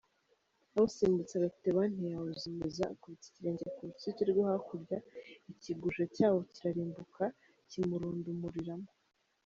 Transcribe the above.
Awusimbutse arateba ntiyawuzimiza, akubita ikirenge ku rutsike rwo hakurya ikiguja cyawo kirarimbuka kimurundumuriramo!